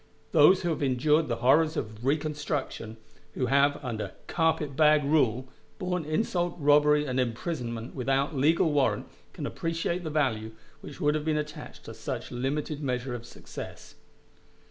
Those who have endured the horrors of "reconstruction," who have, under "carpet bag rule," borne insult, robbery, and imprisonment without legal warrant, can appreciate the value which would have attached to such limited measure of success.